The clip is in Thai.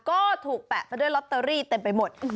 ก็ถูกแปะไปด้วยลอตเตอรี่เต็มไปหมด